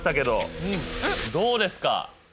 どうですか？